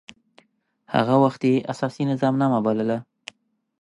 هغه وخت يي اساسي نظامنامه بلله.